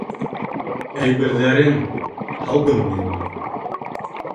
Әйберҙәрен... һалдым мин уның...